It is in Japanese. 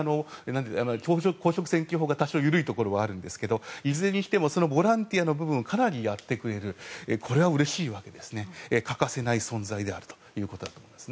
公職選挙法が多少緩いところがあるんですがいずれにしてもボランティアの部分をかなりやってくれるのはうれしい欠かせない存在なわけです。